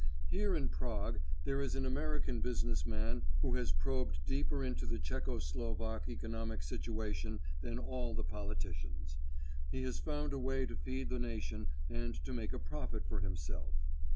Here in Prague there is an American business man who has probed deeper into the Czecho Slovak economic situation than all the politicians. He has found a way to feed the nation and to make a profit for himself.